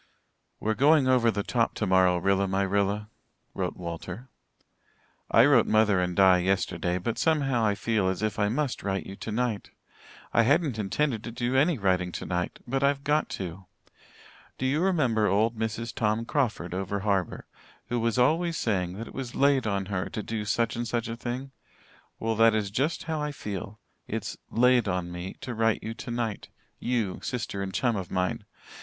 "We're going over the top tomorrow, Rilla my Rilla," wrote Walter. "I wrote mother and Di yesterday, but somehow I feel as if I must write you tonight. I hadn't intended to do any writing tonight but I've got to. Do you remember old Mrs. Tom Crawford over harbour, who was always saying that it was 'laid on her' to do such and such a thing? Well, that is just how I feel. It's 'laid on me' to write you tonight you, sister and chum of mine.